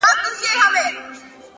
پوهه د وېرې زنځیرونه ماتوي,